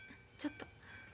ちょっと。